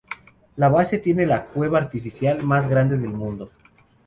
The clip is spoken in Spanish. La base tiene la "cueva artificial más grande del mundo".